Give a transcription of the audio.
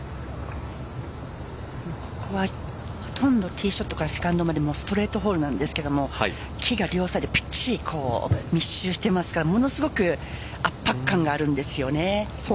ここは、ほとんどティーショットからセカンドまでストレートホールなんですけど木がきっちり密集していますからものすごく圧迫感があるんですよね。